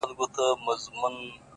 سپوږمۍ کي هم سته توسيرې” راته راوبهيدې”